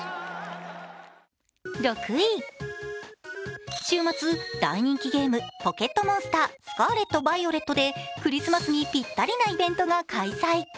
６位、週末、大人気ゲーム「ポケットモンスタースカーレット・バイオレット」でクリスマスにぴったりなイベントが開催。